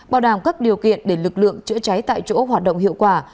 bảo đảm các điều kiện để lực lượng chữa cháy tại chỗ hoạt động hiệu quả